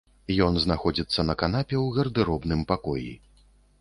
Ён знаходзіцца на канапе ў гардэробным пакоі.